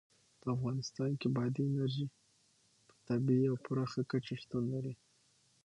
په افغانستان کې بادي انرژي په طبیعي او پراخه کچه شتون لري.